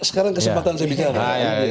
sekarang kesempatan saya bicara